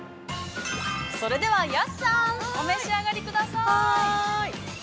それでは安さん、お召し上がりください。